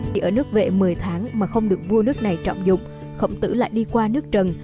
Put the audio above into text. chỉ ở nước vệ một mươi tháng mà không được vua nước này trọng dụng khổng tử lại đi qua nước trần